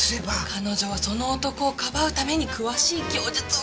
彼女はその男をかばうために詳しい供述を拒んでる。